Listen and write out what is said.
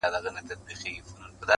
په خبرو کي یې دومره ږغ اوچت کړ؛